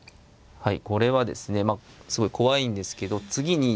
はい。